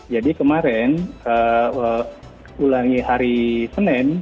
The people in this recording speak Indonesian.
jadi kemarin ulangi hari senin